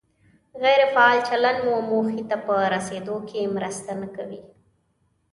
غیر فعال چلند مو موخې ته په رسېدو کې مرسته نه کوي.